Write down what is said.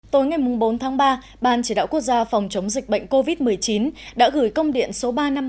tối ngày bốn tháng ba ban chỉ đạo quốc gia phòng chống dịch bệnh covid một mươi chín đã gửi công điện số ba trăm năm mươi ba